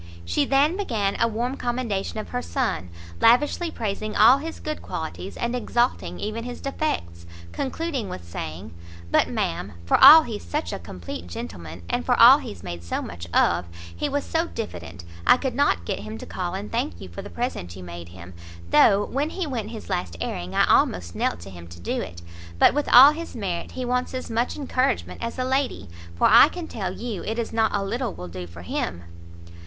She then began a warm commendation of her son, lavishly praising all his good qualities, and exalting even his defects, concluding with saying "But, ma'am, for all he's such a complete gentleman, and for all he's made so much of, he was so diffident, I could not get him to call and thank you for the present you made him, though, when he went his last airing, I almost knelt to him to do it. But, with all his merit, he wants as much encouragement as a lady, for I can tell you it is not a little will do for him."